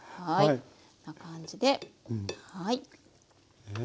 こんな感じではい。